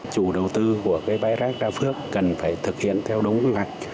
chủ đầu tư của bãi rác đa phước cần phải thực hiện theo đúng quy hoạch